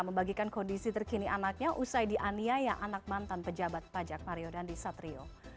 membagikan kondisi terkini anaknya usai dianiaya anak mantan pejabat pajak mario dandi satrio